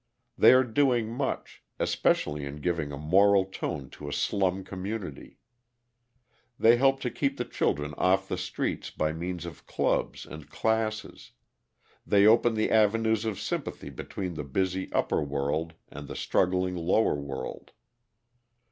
They are doing much, especially in giving a moral tone to a slum community: they help to keep the children off the streets by means of clubs and classes; they open the avenues of sympathy between the busy upper world and the struggling lower world.